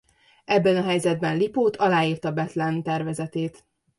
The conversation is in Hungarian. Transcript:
Ebben a helyzetben Lipót aláírta Bethlen tervezetét.